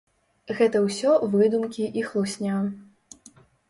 Гэта ўсё выдумкі і хлусня.